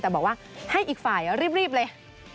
แต่บอกว่าให้อีกฝ่ายรีบเลย